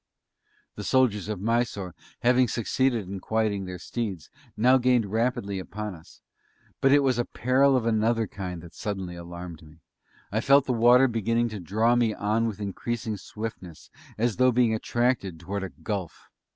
The soldiers of Mysore, having succeeded in quieting their steeds, now gained rapidly upon us; but it was a peril of another kind that suddenly alarmed me. I felt the water beginning to draw me on with increasing swiftness, as though being attracted towards a gulf.